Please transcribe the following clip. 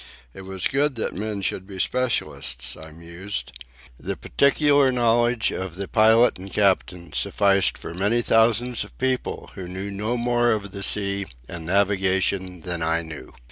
It was good that men should be specialists, I mused. The peculiar knowledge of the pilot and captain sufficed for many thousands of people who knew no more of the sea and navigation than I knew.